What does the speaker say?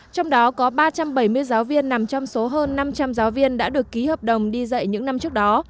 trong đó có ba trăm bảy mươi giáo viên nằm trong số hơn năm trăm linh giáo viên đã được ký hợp đồng đi dạy những năm trước đó